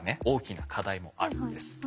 大きな課題もあるんです。